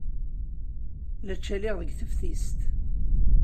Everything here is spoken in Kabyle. La ttcaliɣ deg teftist.